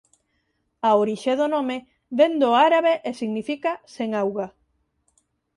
A orixe do nome ven do árabe e significa "sen auga".